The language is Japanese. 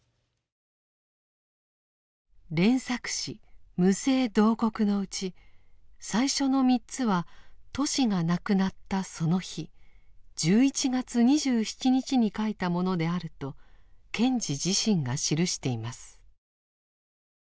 連作詩「無声慟哭」のうち最初の３つはトシが亡くなったその日１１月２７日に書いたものであると賢治自身が記しています。